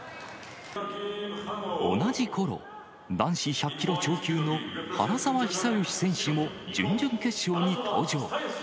同じころ、男子１００キロ超級の原沢久喜選手も、準々決勝に登場。